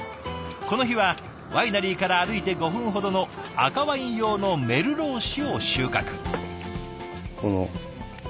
この日はワイナリーから歩いて５分ほどの赤ワイン用のメルロー種を収穫。